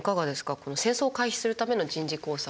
この戦争を回避するための人事工作。